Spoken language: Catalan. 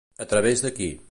A través de qui?